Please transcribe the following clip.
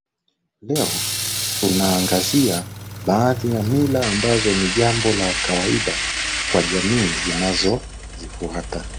Leo tunaangazia baadhi ya mila ambazo ni jambo la kawaida kwa jamii zinazozifuata